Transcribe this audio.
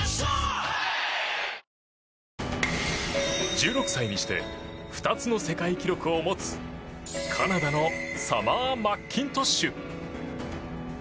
１６歳にして２つの世界記録を持つカナダのサマー・マッキントッシュ。